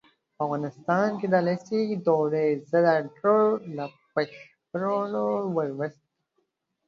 په افغانستان کې د لېسې دورې زده کړو له بشپړولو وروسته